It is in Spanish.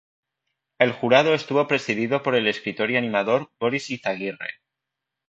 El jurado estuvo presidido por el escritor y animador Boris Izaguirre.